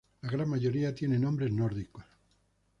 La gran mayoría tiene nombres nórdicos.